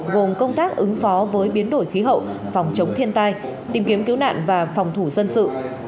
gồm công tác ứng phó với biến đổi khí hậu phòng chống thiên tai tìm kiếm cứu nạn và phòng thủ dân sự